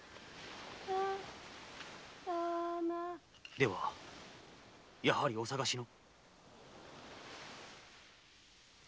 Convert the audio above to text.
ではやはりお捜しの？